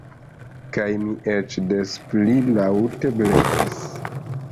Kaj mi eĉ des pli laŭte blekis.